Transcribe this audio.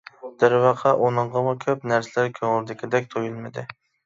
دەرۋەقە ئۇنىڭغىمۇ كۆپ نەرسىلەر كۆڭۈلدىكىدەك تۇيۇلمىدى.